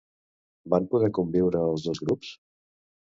Van poder conviure els dos grups?